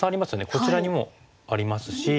こちらにもありますし